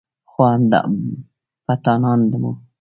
خو همدا پټانان و.